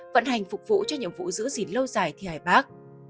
vận hành phục vụ cho nhiệm vụ giữ gìn lâu dài thi hài bác